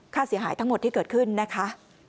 ค่าเสียหายทั้งหมดที่เกิดขึ้นนะคะ